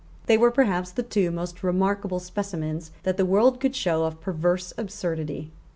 They were perhaps the two most remarkable specimens that the world could show of perverse absurdity.